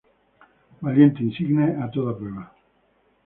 Valiente insigne a toda prueba.